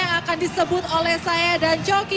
yang akan disebut oleh saya dan joki